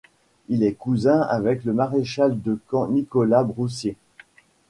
Il est cousin avec le maréchal de camp Nicolas Broussier.